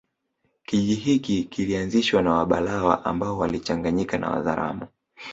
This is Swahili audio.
Kijiji hiki kilianzishwa na Wabalawa ambao walichanganyika na Wazaramo